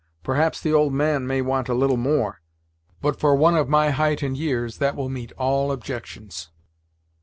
Perhaps the old man may want a little more, but for one of my height and years that will meet all objections."